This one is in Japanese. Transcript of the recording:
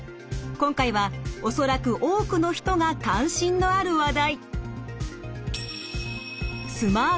今回は恐らく多くの人が関心のある話題。